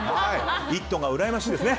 「イット！」がうらやましいですね。